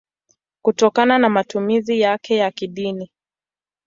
kutokana na matumizi yake ya kidini.